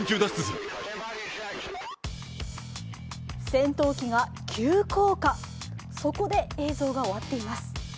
戦闘機が急降下、そこで映像が終わっています。